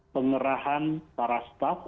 pengerahan para staff